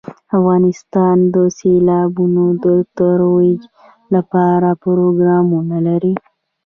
افغانستان د سیلابونه د ترویج لپاره پروګرامونه لري.